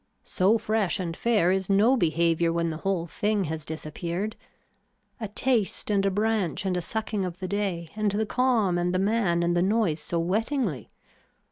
So fresh and fair is no behaviour when the whole thing has disappeared. A taste and a branch and a sucking of the day and the calm and the man and the noise so wettingly.